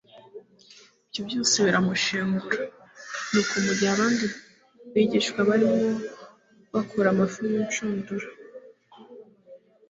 ibyo byose biramushengura. Nuko mu gihe abandi bigishwa barimo bakura amafi mu nshurudura,